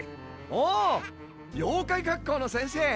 おお妖怪学校の先生！